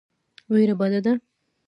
وېره بده ده.